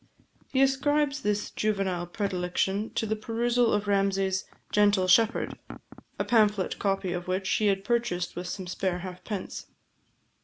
He ascribes this juvenile predilection to the perusal of Ramsay's "Gentle Shepherd," a pamphlet copy of which he had purchased with some spare halfpence.